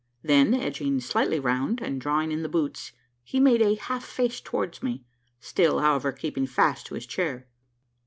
Then, edging slightly round, and drawing in the boots, he made a half face towards me still, however, keeping fast to his chair.